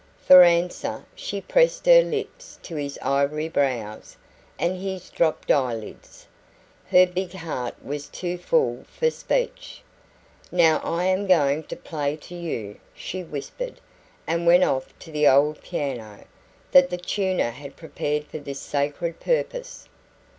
For answer, she pressed her lips to his ivory brows and his dropped eyelids. Her big heart was too full for speech. "Now I am going to play to you," she whispered, and went off to the old piano, that the tuner had prepared for this sacred purpose.